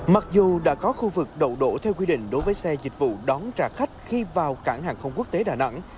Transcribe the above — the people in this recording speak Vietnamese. mặc dù đã có khu vực đậu đổ theo quy định đối với xe dịch vụ đón trả khách khi vào cảng hàng không quốc tế đà nẵng